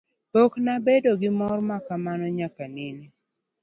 Pok ne abedo gi mor ma kamano nyaka nene.